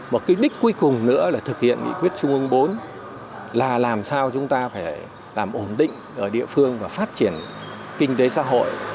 một cái đích cuối cùng nữa là thực hiện nghị quyết trung ương bốn là làm sao chúng ta phải làm ổn định ở địa phương và phát triển kinh tế xã hội